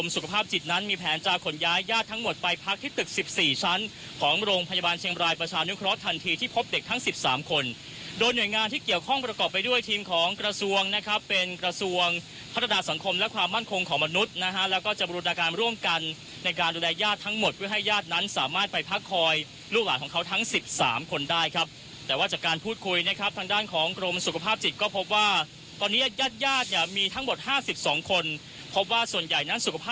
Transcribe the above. สามคนโดยหน่วยงานที่เกี่ยวข้องประกอบไปด้วยทีมของกระทรวงนะครับเป็นกระทรวงพัฒนาสังคมและความมั่นคงของมนุษย์นะฮะแล้วก็จะบรุฒนาการร่วมกันในการดูแลยาดทั้งหมดเพื่อให้ยาดนั้นสามารถไปพักคอยลูกหลานของเขาทั้งสิบสามคนได้ครับแต่ว่าจากการพูดคุยนะครับทางด้านของกรมสุขภาพจิตก็พบว่าตอนนี้ยา